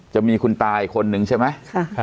จะมีคุณตายคนหนึ่งใช่ไหม